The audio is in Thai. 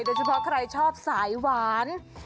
โดยเฉพาะใครชอบสายหวาน